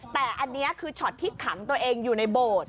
แต่อันนี้คือช็อตที่ขังตัวเองอยู่ในโบสถ์